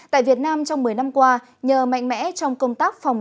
tại việt nam trong một mươi năm qua nhờ mạnh mẽ trong công tác phòng